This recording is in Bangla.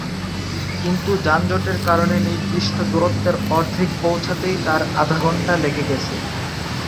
কিন্তু যানজটের কারণে নির্দিষ্ট দূরত্বের অর্ধেক পৌঁছাতেই তাঁর আধা ঘণ্টা লেগে গেছে।